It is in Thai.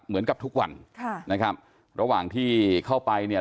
เหมือนกับทุกวันค่ะนะครับระหว่างที่เข้าไปเนี่ย